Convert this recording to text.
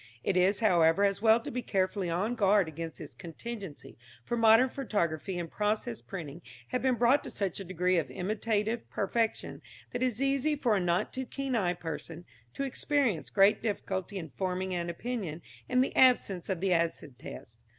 It is, however, as well to be carefully on guard against this contingency, for modern photography and process printing have been brought to such a degree of imitative perfection that it is easy for a not too keen eyed person to experience great difficulty in forming an opinion in the absence of the acid test.